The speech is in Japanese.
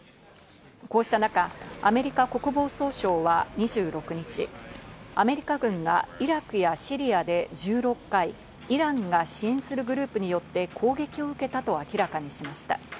こうした中、アメリカ国防総省は２６日、アメリカ軍がイラクやシリアで１６回、イランが支援するグループによって攻撃を受けたと明らかにしました。